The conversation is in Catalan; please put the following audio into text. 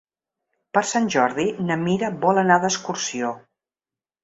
Per Sant Jordi na Mira vol anar d'excursió.